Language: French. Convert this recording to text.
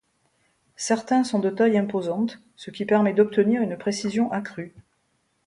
Certains sont de taille imposante, ce qui permet d’obtenir une précision accrue.